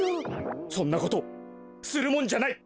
そんなことするもんじゃない！